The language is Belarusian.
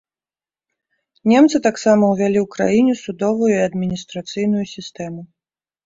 Немцы таксама ўвялі ў краіне судовую і адміністрацыйную сістэму.